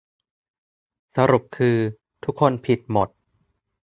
สรุปคือ ทุกคนผิดหมด